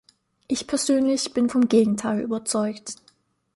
Ich persönlich bin von Gegenteil überzeugt.